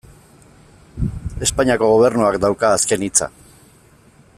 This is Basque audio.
Espainiako Gobernuak dauka azken hitza.